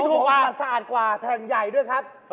ของผมก็สะอาดกว่าแถมใหญ่ด้วยครับ